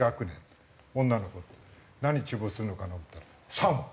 何注文するのかなと思ったら。